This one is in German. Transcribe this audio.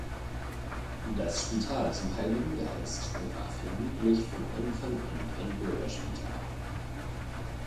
Das Spital zum Heiligen Geist war vermutlich von Anfang an ein Bürgerspital.